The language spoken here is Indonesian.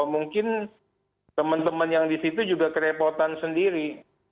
mungkin teman teman yang di situ juga kerepotan sendiri